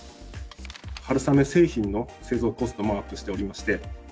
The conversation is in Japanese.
春雨製品の製造コストもアップしておりまして。